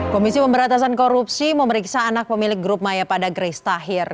komisi pemberatasan korupsi memeriksa anak pemilik grup maya pada grace tahir